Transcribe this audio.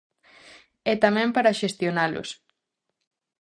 E tamén para xestionalos.